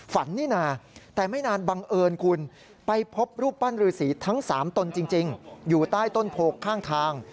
นี่นะแต่ไม่นานบังเอิญคุณไปพบรูปปั้นรือสีทั้ง๓ตนจริงอยู่ใต้ต้นโพข้างทาง